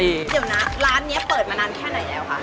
เดี๋ยวนะร้านนี้เปิดมานานแค่ไหนแล้วคะ